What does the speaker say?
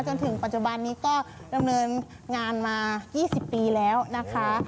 จนถึงปัจจุบันนี้ก็ดำเนินงานมา๒๐ปีแล้วนะคะ